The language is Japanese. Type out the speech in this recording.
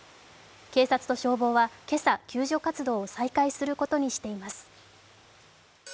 警察と消防は今朝、救助活動を再開することにしています。